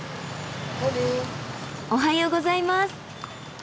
おはようございます。